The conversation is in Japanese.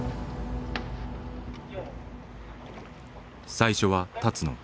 最初は立野。